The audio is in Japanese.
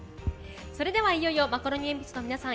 それではいよいよマカロニえんぴつの皆さん